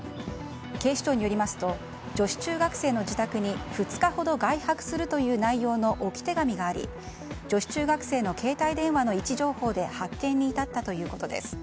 警視庁によりますと女子中学生の自宅に２日ほど外泊するという内容の置き手紙があり女子中学生の携帯電話の位置情報で発見に至ったということです。